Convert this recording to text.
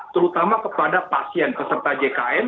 terutama kepada pasien peserta jkn